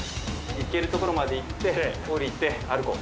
行けるところまで行って降りて歩こう。